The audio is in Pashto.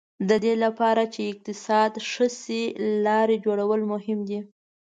د دې لپاره چې اقتصاد ښه شي لارې جوړول مهم دي.